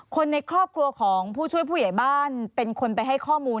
คนในครอบครัวของผู้ช่วยผู้ใหญ่บ้านเป็นคนไปให้ข้อมูล